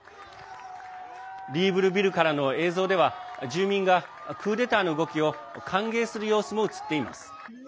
リーブルビルからの映像では住民がクーデターの動きを歓迎する様子も映っています。